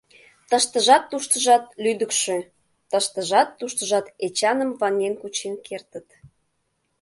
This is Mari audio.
Тыштыжат-туштыжат лӱдыкшӧ; тыштыжат-туштыжат Эчаным ваҥен кучен кертыт.